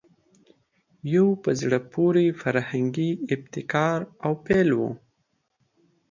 یو په زړه پورې فرهنګي ابتکار او پیل وو